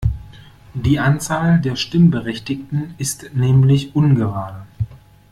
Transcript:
Die Anzahl der Stimmberechtigten ist nämlich ungerade.